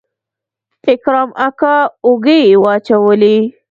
اکرم اکا اوږې واچولې.